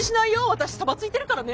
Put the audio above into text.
私サバついてるからね！